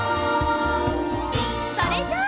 それじゃあ。